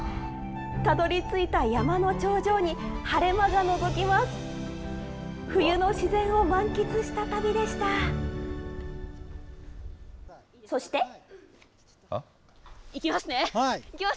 たどりついた山の頂上に、晴れ間がのぞきます。